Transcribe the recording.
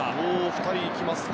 ２人行きますか。